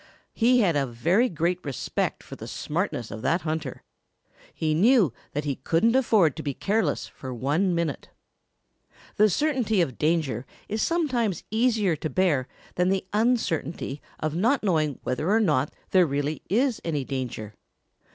He had a very great respect for the smartness of that hunter. He knew that he couldn't afford to be careless for one little minute. The certainty of danger is sometimes easier to bear than the uncertainty of not knowing whether or not there really is any danger.